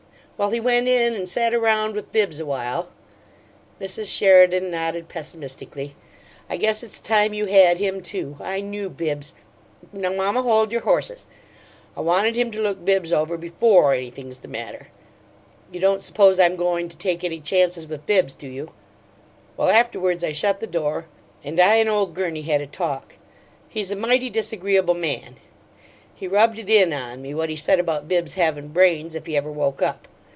Well, he went in and sat around with Bibbs awhile " Mrs. Sheridan nodded pessimistically. "I guess it's time you had him, too. I KNEW Bibbs " "Now, mamma, hold your horses! I wanted him to look Bibbs over BEFORE anything's the matter. You don't suppose I'm goin' to take any chances with BIBBS, do you? Well, afterwards, I shut the door, and I an' ole Gurney had a talk. He's a mighty disagreeable man; he rubbed it in on me what he said about Bibbs havin' brains if he ever woke up.